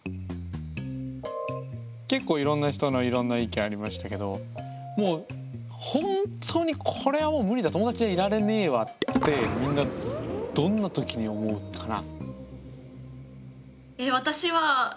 結構いろんな人のいろんな意見ありましたけどもう本当にこれはもう無理だ友達でいられねえわってみんなどんなときに思うかな？